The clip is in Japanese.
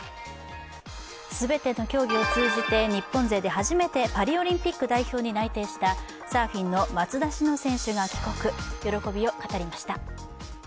全ての競技を通じて日本勢で初めてパリオリンピック代表に内定したサーフィンの松田詩野選手が帰国、喜びを語りました。